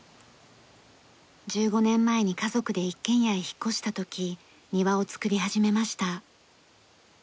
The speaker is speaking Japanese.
１５年前に家族で一軒家へ引っ越した時庭をつくり始めました。